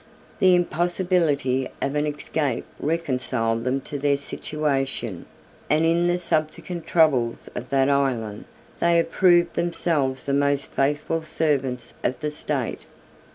The impossibility of an escape reconciled them to their situation, and in the subsequent troubles of that island, they approved themselves the most faithful servants of the state.